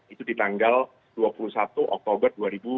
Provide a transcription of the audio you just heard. itu di tanggal dua puluh satu oktober